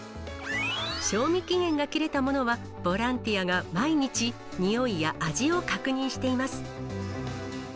賞味期限が切れたものは、ボランティアが毎日、においや味を確認しています。